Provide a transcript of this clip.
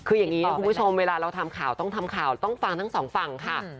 คืออย่างนี้นะคุณผู้ชมเวลาเราทำข่าวต้องทำข่าวต้องฟังทั้งสองฝั่งค่ะ